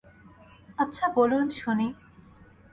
আচ্ছা, বলুন শুনি।